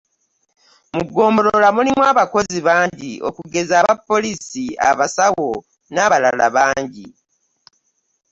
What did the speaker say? Mu Ggombolola mulimu abakozi bangi okugeza aba poliisi abasawo nabalala bangi.